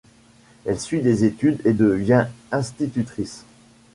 Elle suit des études et devient institutrice.